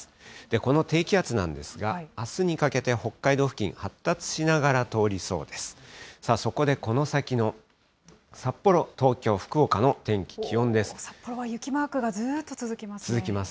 この低気圧なんですが、あすにかけて北海道付近、発達しながら通りそうです。